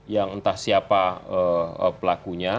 yang entah siapa pelakunya